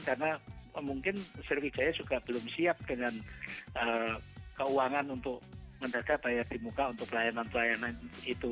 karena mungkin sriwidaya juga belum siap dengan keuangan untuk mendekat bayar di muka untuk pelayanan pelayanan itu